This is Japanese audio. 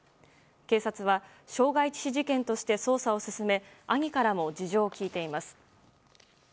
警察は傷害致死事件として捜査を進め兄からも事情を聴いています。